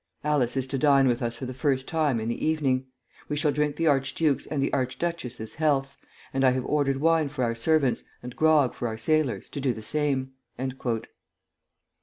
Alice is to dine with us for the first time, in the evening. We shall drink the archduke's and the archduchess's healths, and I have ordered wine for our servants, and grog for our sailors, to do the same."